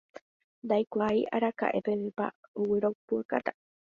ndaikuaái araka'epevépa agueropu'akáta